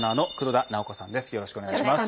よろしくお願いします。